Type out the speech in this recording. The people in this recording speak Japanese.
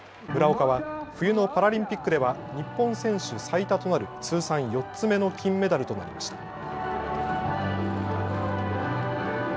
村岡は冬のパラリンピックでは、日本選手最多となる通算４つ目の金メダルとなりました。